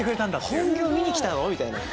本業見に来たの⁉みたいな。